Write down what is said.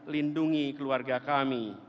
lindungi keluarga kami